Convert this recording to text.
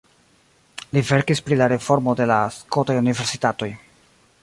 Li verkis pri la reformo de la skotaj universitatoj.